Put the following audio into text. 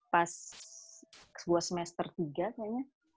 pas dua semester tiga kayaknya